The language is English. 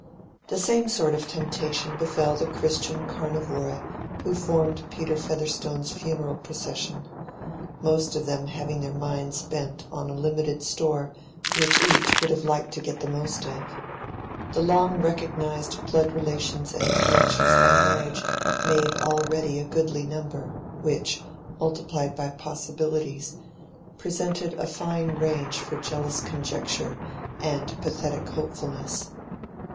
The same sort of temptation befell the Christian Carnivora who formed Peter Featherstone's funeral procession; most of them having their minds bent on a limited store which each would have liked to get the most of. The long recognized blood relations and connections by marriage made already a goodly number, which, multiplied by possibilities, presented a fine range for jealous conjecture and pathetic hopefulness.